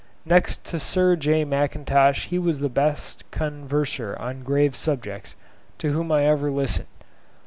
Next to Sir J. Mackintosh he was the best converser on grave subjects to whom I ever listened.